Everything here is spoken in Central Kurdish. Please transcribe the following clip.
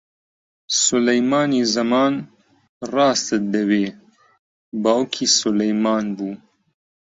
سولەیمانی زەمان، ڕاستت دەوێ، باوکی سولەیمان بوو